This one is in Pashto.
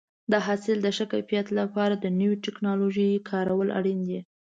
د حاصل د ښه کیفیت لپاره د نوې ټکنالوژۍ کارول اړین دي.